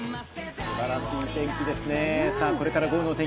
素晴らしい天気ですね。